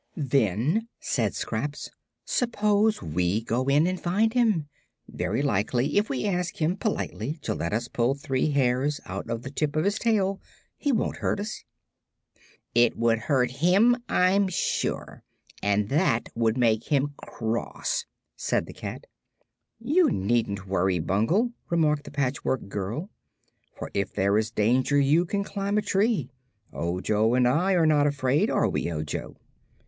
"Then," said Scraps, "suppose we go in and find him? Very likely if we ask him politely to let us pull three hairs out of the tip of his tail he won't hurt us." "It would hurt him, I'm sure, and that would make him cross," said the cat. "You needn't worry, Bungle," remarked the Patchwork Girl; "for if there is danger you can climb a tree. Ojo and I are not afraid; are we, Ojo?"